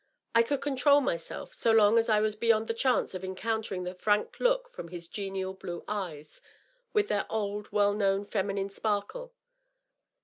I could control myself, so long as I was beyond the chance of encountering the frank look J&om his genial blue eyes, with their old, well known, feminine sparkle.